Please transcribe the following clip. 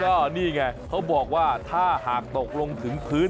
ก็นี่ไงเขาบอกว่าถ้าหากตกลงถึงพื้น